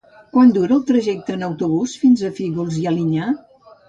Quant dura el trajecte en autobús fins a Fígols i Alinyà?